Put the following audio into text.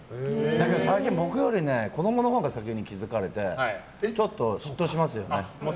最近、僕より子供のほうが先に気づかれてちょっと嫉妬しますよね。